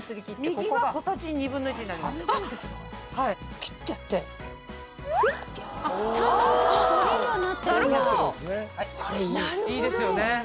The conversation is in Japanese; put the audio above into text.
いいですよね。